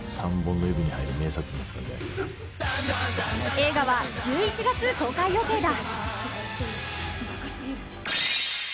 映画は１１月公開予定だ。